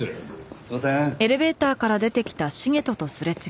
すみません。